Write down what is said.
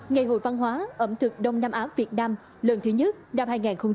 ngày hội văn hóa ẩm thực đông nam á việt nam lần thứ nhất năm hai nghìn hai mươi